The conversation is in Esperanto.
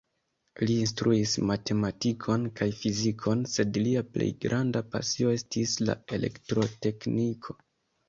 Li instruis matematikon kaj fizikon, sed lia plej granda pasio estis la elektrotekniko.